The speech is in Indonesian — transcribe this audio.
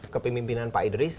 kepemimpinan pak idris